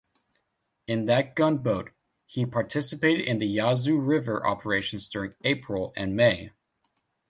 In that gunboat, he participated in Yazoo River operations during April and May.